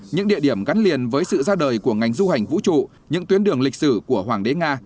những địa điểm gắn liền với sự ra đời của ngành du hành vũ trụ những tuyến đường lịch sử của hoàng đế nga